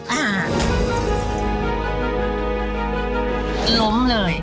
หลมเลย